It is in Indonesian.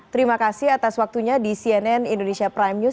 terima kasih atas waktunya di cnn indonesia prime news